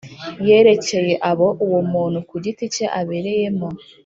Yerekeye abo uwo muntu ku giti cye abereyemo